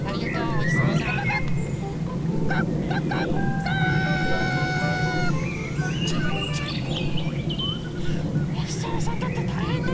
おひさまさんだってたいへんなのよ！